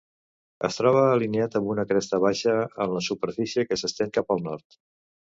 Es troba alineat amb una cresta baixa en la superfície que s'estén cap al nord.